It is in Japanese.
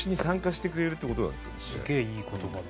すげえいい言葉だ。